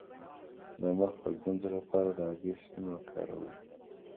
د مخ د ګونځو لپاره د هګۍ سپین وکاروئ